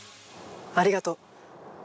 ありがとう！